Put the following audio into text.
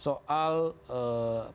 soal penunjukan direktif